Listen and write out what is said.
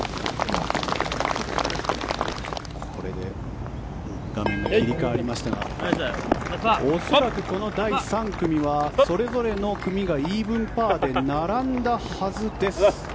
これで画面が切り替わりましたが恐らくこの第３組はそれぞれの組がイーブンパーで並んだはずです。